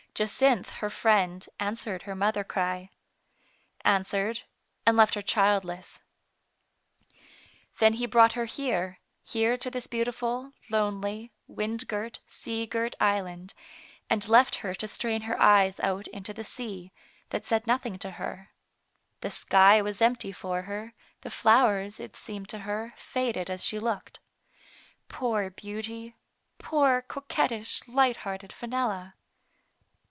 Jacynth, her friend, answered her mother cry. Answered, and left her childless. Then he brought her here, here to this beauti ful, lonely, wind girt, sea girt island, and left her to strain her eyes out into the sea, that said nothing to her. The sky was empty for her, the flowers, it seemed to her, faded as she looked. .Poor beauty! poor coquettish, light hearted Fenella